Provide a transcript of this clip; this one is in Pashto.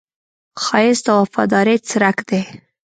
ښایست د وفادارۍ څرک دی